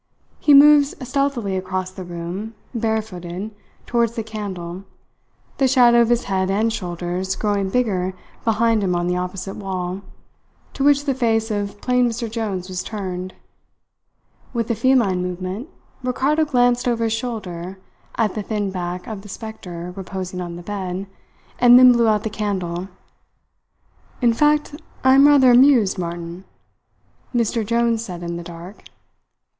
He moved stealthily across the room, bare footed, towards the candle, the shadow of his head and shoulders growing bigger behind him on the opposite wall, to which the face of plain Mr. Jones was turned. With a feline movement, Ricardo glanced over his shoulder at the thin back of the spectre reposing on the bed, and then blew out the candle. "In fact, I am rather amused, Martin," Mr. Jones said in the dark.